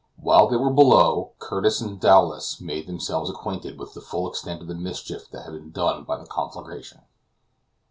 While they were below, Curtis and Dowlas made themselves acquainted with the full extent of the mischief that had been done by the conflagration.